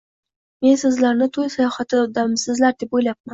Men sizlarni to`y sayohatidamisizlar deb o`ylabman